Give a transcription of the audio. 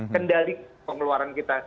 kendali pengeluaran kita